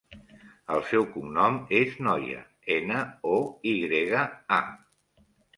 El seu cognom és Noya: ena, o, i grega, a.